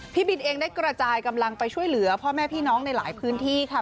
พี่บินเองได้กระจายกำลังไปช่วยเหลือพ่อแม่พี่น้องในหลายพื้นที่ค่ะ